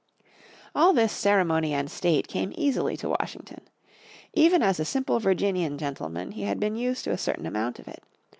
All this ceremony and state came easily to Washington. Even as a simple Virginian gentleman he had been used to a certain amount of it.